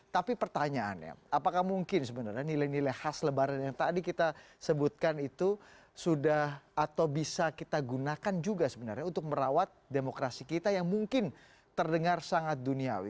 tapi pertanyaannya apakah mungkin sebenarnya nilai nilai khas lebaran yang tadi kita sebutkan itu sudah atau bisa kita gunakan juga sebenarnya untuk merawat demokrasi kita yang mungkin terdengar sangat duniawi